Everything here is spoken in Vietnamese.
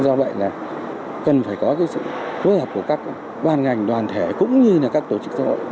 do vậy là cần phải có sự phối hợp của các ban ngành đoàn thể cũng như là các tổ chức xã hội